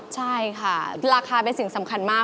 ใช่ค่ะราคาเป็นสิ่งสำคัญมาก